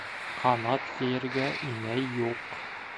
Ҡанат йәйергә инәй юҡ.